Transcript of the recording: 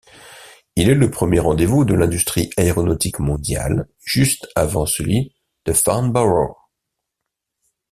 Il est le premier rendez-vous de l'industrie aéronautique mondiale, juste avant celui de Farnborough.